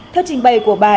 thất trình bày của bà yến